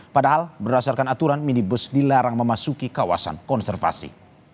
padahal berdasarkan aturan minibus dilarang memasuki kawasan konservasi